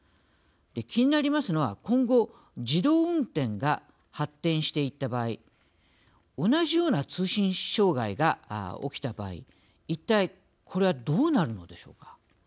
気になりますのは今後、自動運転が発展していった場合同じような通信障害が起きた場合一体これはどうなるのでしょうか。